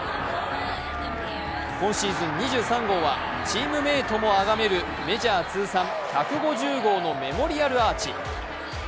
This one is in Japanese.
今シーズン２３号はチームメートもあがめるメジャー通算１５０号のメモリアルアーチ。